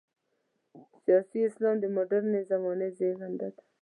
سیاسي اسلام د مډرنې زمانې زېږنده ده.